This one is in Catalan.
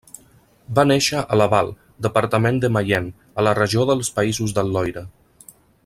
Va néixer a Laval, departament de Mayenne, a la regió dels Països del Loira.